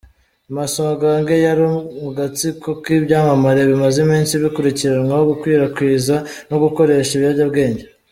Masogange yari mu gatsiko k’ibyamamare bimaze iminsi bikurikiranwaho gukwirakwiza no gukoresha ibiyobyabwenge.